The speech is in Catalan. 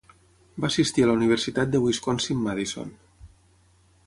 Va assistir a la Universitat de Wisconsin-Madison.